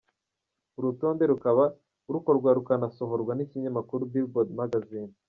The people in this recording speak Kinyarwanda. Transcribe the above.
Uru rutonde rukaba rukorwa rukanasohorwa n’ikinyamakuru Billboard Magazine.